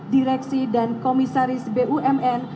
direksi dan komisaris bumn